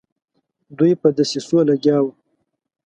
دوی په دسیسو لګیا وه.